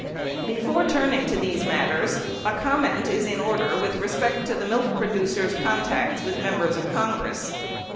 Before turning to these matters, a comment is in order with respect to the milk producers' contacts with Members of Congress.